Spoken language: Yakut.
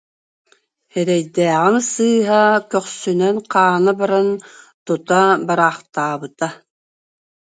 Эрэйдээҕим сыыһа, көхсүнэн хаана баран, тута бараахтаабыт»